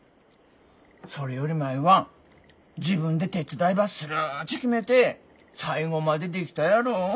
それより舞は自分で手伝いばするっち決めて最後までできたやろ。